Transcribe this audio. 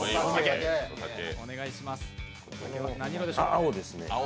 青ですね。